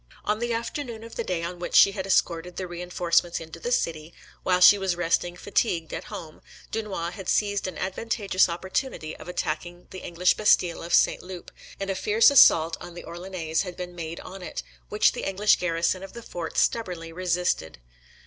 On the afternoon of the day on which she had escorted the reinforcements into the city, while she was resting fatigued at home, Dunois had seized an advantageous opportunity of attacking the English bastille of St. Loup: and a fierce assault of the Orleannais had been made on it, which the English garrison of the fort stubbornly resisted.